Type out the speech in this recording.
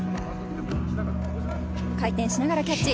回転しながらキャッチ。